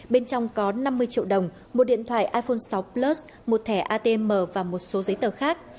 bên trong có năm mươi triệu đồng một điện thoại iphone sáu plus một thẻ atm và một số giấy tờ khác